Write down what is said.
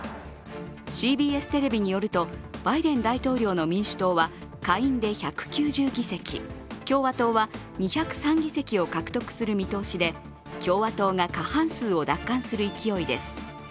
ＣＢＳテレビによるとバイデン大統領の民主党は下院で１９０議席、共和党は２０３議席を獲得する見通しで共和党が過半数を奪還する勢いです。